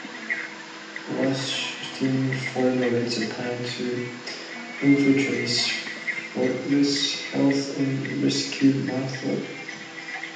Wasserstein formulates a plan to infiltrate Fortress Health and rescue Martha.